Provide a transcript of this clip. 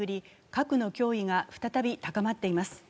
核の脅威が再び高まっています。